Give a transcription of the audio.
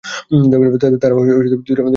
তারা দুটি প্রধান ভাগে বিভক্ত ছিল।